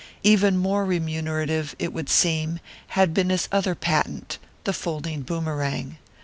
Even more remunerative, it would seem, had been his other patent the folding boomerang.